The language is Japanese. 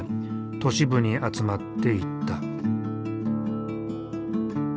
都市部に集まっていった。